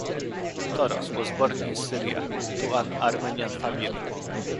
Toros was born in Syria to an Armenian family.